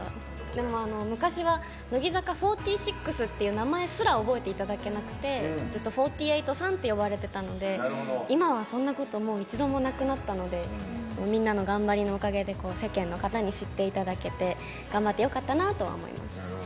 でも、昔は乃木坂４６っていう名前すら覚えていただけなくてずっと「４８さん」って呼ばれてたので今はそんなこと一度もなくなったのでみんなの頑張りのおかげで世間の方に知っていただけて頑張ってよかったなと思います。